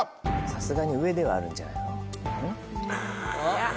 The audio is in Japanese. さすがに上ではあるんじゃないの？かぁ。